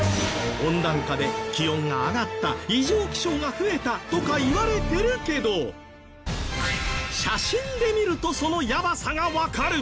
温暖化で気温が上がった異常気象が増えたとか言われてるけど写真で見るとそのやばさがわかる！